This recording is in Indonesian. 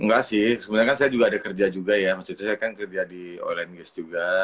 enggak sih sebenernya kan saya juga ada kerja juga ya maksudnya saya kan kerja di o line games juga